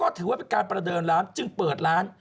ถือว่าเป็นการประเดิมร้านจึงเปิดร้าน